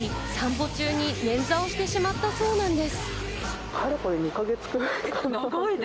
ある日、散歩中に捻挫をしてしまったそうなんです。